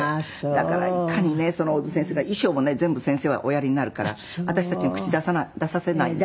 だからいかにね小津先生が衣装もね全部先生はおやりになるから私たちに口出させないんですよ。